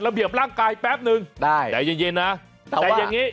ระเบียบร่างกายแปปหนึ่งได้ได้เย็นนะเพราะว่าแต่อย่างงี้